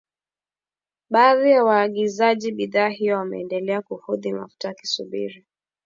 Baadhi ya waagizaji bidhaa hiyo wameendelea kuhodhi mafuta wakisubiri